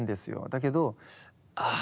だけどああ